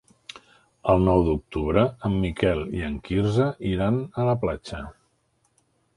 El nou d'octubre en Miquel i en Quirze iran a la platja.